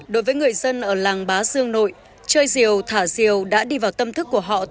đối với người dân ở làng bá dương nội chơi diều thả diều đã đi vào tâm thức của họ